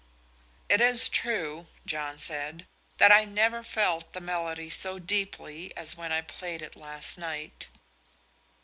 "It is true," John said, "that I never felt the melody so deeply as when I played it last night."